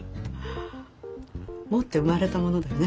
持って生まれたものだね